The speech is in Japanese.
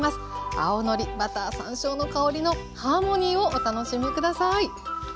青のりバター山椒の香りのハーモニーをお楽しみ下さい！